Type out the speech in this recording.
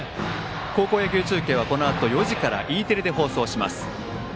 高校野球中継はこのあと４時からＥテレで放送します。